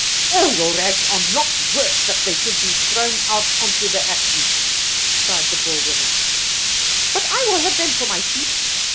All your rags are not worth that they should be thrown out onto the ash heap," cried the Boer woman; "but I will have them for my sheep.